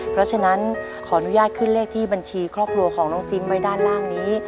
เพราะฉะนั้นขออนุญาตขึ้นเลขที่บัญชีครอบครัวของน้องซิมไว้ด้านล่างนี้